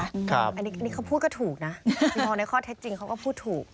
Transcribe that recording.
อันนี้เขาพูดก็ถูกนะคือมองในข้อเท็จจริงเขาก็พูดถูก